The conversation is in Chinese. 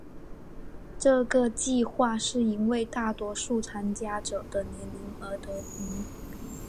这个计画是因为大多数参加者的年龄而得名。